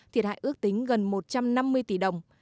thiệt hại ước tính gần một trăm năm mươi tỷ đồng